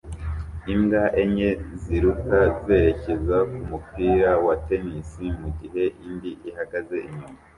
Imbwa enye ziruka zerekeza kumupira wa tennis mugihe indi ihagaze inyuma